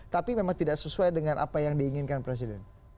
tapi memang tidak sesuai dengan apa yang diinginkan presiden